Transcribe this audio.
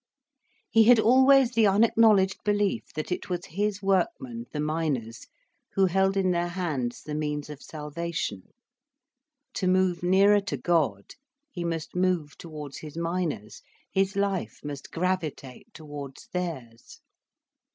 He had always the unacknowledged belief, that it was his workmen, the miners, who held in their hands the means of salvation. To move nearer to God, he must move towards his miners, his life must gravitate towards theirs.